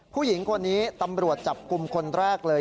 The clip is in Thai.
ผู้หญิงคนนี้ตำรวจจับกลุ่มคนแรกเลย